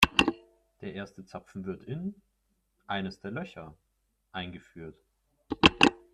Der erste Zapfen wird in eines der Löcher eingeführt.